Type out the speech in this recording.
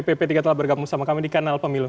pp tiga telah bergabung sama kami di kanal pemilu